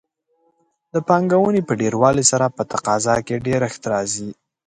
د پانګونې په ډېروالي سره په تقاضا کې ډېرښت راځي.